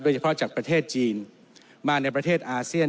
เฉพาะจากประเทศจีนมาในประเทศอาเซียน